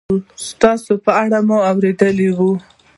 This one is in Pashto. ستاسې په اړه ما اورېدلي و